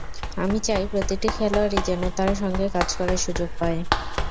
আমি চাই, প্রতিটি খেলোয়াড়ই যেন তাঁর সঙ্গে কাজ করার সুযোগ পায়।